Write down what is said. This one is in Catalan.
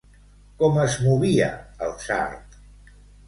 Com es movia, el sard?